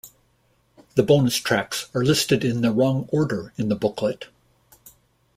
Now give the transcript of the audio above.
The bonus tracks are listed in the wrong order in the booklet.